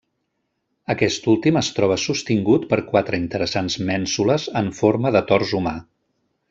Aquest últim es troba sostingut per quatre interessants mènsules en forma de tors humà.